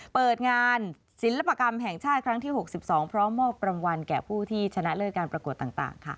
เปิดงานศิลปกรรมแห่งชาติครั้งที่๖๒พร้อมมอบรางวัลแก่ผู้ที่ชนะเลิศการประกวดต่างค่ะ